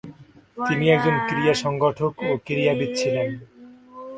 তিনি একজন ক্রীড়া সংগঠক ও ক্রীড়াবিদ ছিলেন।